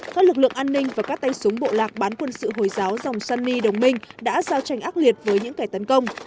các lực lượng an ninh và các tay súng bộ lạc bán quân sự hồi giáo dòng sunny đồng minh đã giao tranh ác liệt với những kẻ tấn công